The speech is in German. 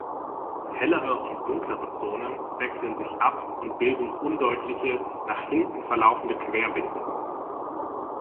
Hellere und dunklere Zonen wechseln sich ab und bilden undeutliche, nach hinten verlaufende Querbinden.